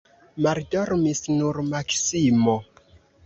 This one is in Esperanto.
Maldormis nur Maksimo.